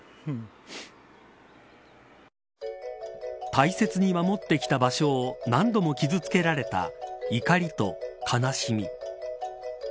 大切に守ってきた場所を何度も傷付けられた怒りと悲しみ。